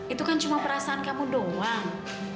itu kan cuma perasaan kamu doang